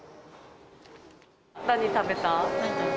何食べた？